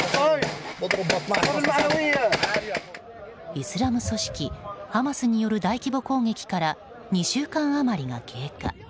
イスラム組織ハマスによる大規模攻撃から２週間余りが経過。